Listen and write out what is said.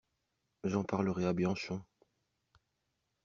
J'en parlerai à Bianchon.